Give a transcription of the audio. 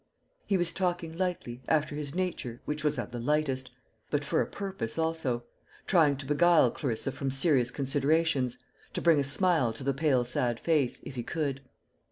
He was talking lightly, after his nature, which was of the lightest, but for a purpose, also, trying to beguile Clarissa from serious considerations, to bring a smile to the pale sad face, if he could.